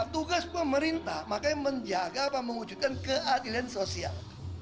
tugas pemerintah makanya menjaga dan mengujudkan keadilan sosial